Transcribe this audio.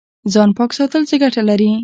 ځان پاک ساتل څه ګټه لري؟